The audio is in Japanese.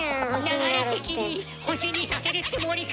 流れ的に星にさせるつもりか？